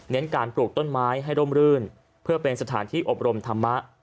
การปลูกต้นไม้ให้ร่มรื่นเพื่อเป็นสถานที่อบรมธรรมะ